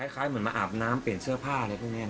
คล้ายเหมือนมาอาบน้ำเปลี่ยนเสื้อผ้าอะไรพวกนี้